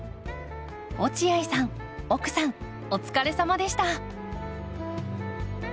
落合さん奥さんお疲れさまでした。